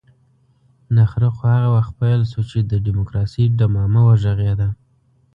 نخره خو هغه وخت پيل شوه چې د ډيموکراسۍ ډمامه وغږېده.